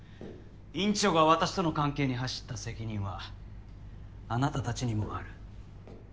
院長が私との関係に奔った責任はあなた達にもある。